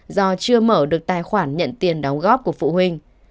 do chưa mở được tài khoản nhận tiền đóng góp của phụ huynh